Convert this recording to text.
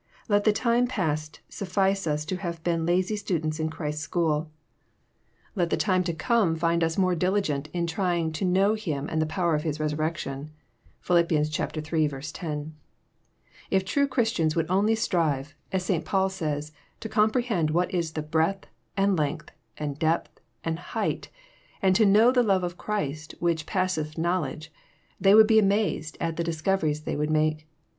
Let the time past sufilce us to have been lazy students in Christ's school ; let the time to come find JOHN, CHAP. XI. 257 118 more diligent in trying to " kn ow Hi m and the power of His resurrection." (Philip, iii. 10.) If true Christiana would only strive, as St. Paul says, to " comprehend what is the breadth, and length, and depth, and height, and to know the love of Christ, which passeth knowledge," they would be amazed at the discoveries they would make.